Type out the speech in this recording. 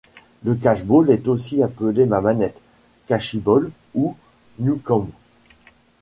Le catchball est aussi appelé mamanet, cachibol ou newcomb.